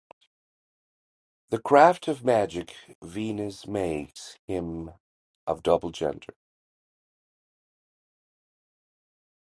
The craft of magic Venus makes him of double gender.